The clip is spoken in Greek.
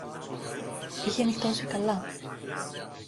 Είχε νυχτώσει καλά.